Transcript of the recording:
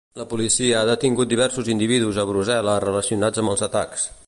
La policia ha detingut diversos individus a Brussel·les relacionats amb els atacs.